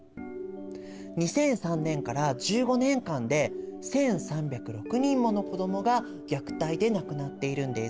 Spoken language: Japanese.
２００３年から１５年間で１３０６人もの子どもが虐待で亡くなっているんです。